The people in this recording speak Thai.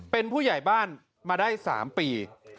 เป็นผู้ใหญ่บ้านมาได้๓ปี